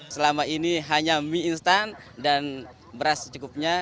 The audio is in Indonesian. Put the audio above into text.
selama ini hanya mie instan dan beras secukupnya